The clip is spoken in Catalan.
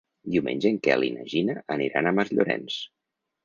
Diumenge en Quel i na Gina aniran a Masllorenç.